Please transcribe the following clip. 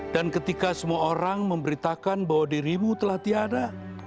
dan ketika semua orang memberitakan bahwa dirimu telah tiada